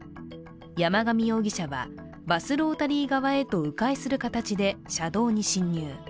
山上容疑者は、バスロータリー側へと、う回する形で車道に進入。